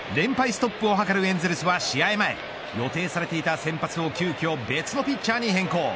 ストップを図るエンゼルスは、試合前予定された先発を急きょ別のピッチャーに変更。